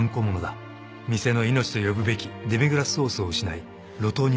［店の命と呼ぶべきデミグラスソースを失い路頭に迷っていた］